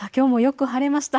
きょうもよく晴れました。